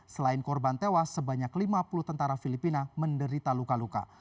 selain korban tewas sebanyak lima puluh tentara filipina menderita luka luka